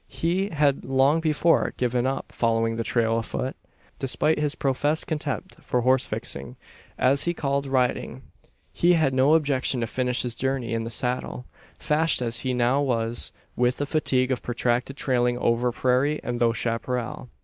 He had long before given up following the trail afoot. Despite his professed contempt for "horse fixings" as he called riding he had no objection to finish his journey in the saddle fashed as he now was with the fatigue of protracted trailing over prairie and through chapparal.